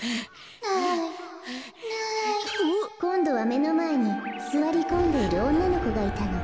かいそうこんどはめのまえにすわりこんでいるおんなのこがいたの。